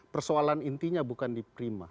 persoalan intinya bukan di prima